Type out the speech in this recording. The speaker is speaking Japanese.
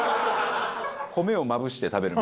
米をまぶして食べる。